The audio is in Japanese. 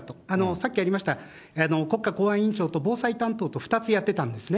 さっきありました、国家公安委員長と防災担当と２つやってたんですね。